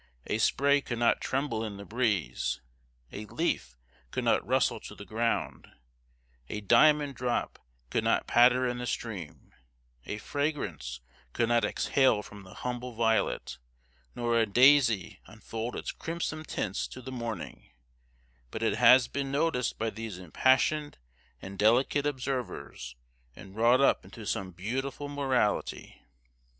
A spray could not tremble in the breeze a leaf could not rustle to the ground a diamond drop could not patter in the stream a fragrance could not exhale from the humble violet, nor a daisy unfold its crimson tints to the morning, but it has been noticed by these impassioned and delicate observers, and wrought up into some beautiful morality.